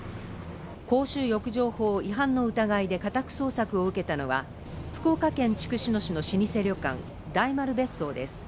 公衆浴場法違反の疑いで家宅捜索を受けたのは福岡県筑紫野市の老舗旅館大丸別荘です。